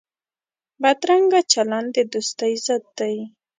بدرنګه چلند د دوستۍ ضد دی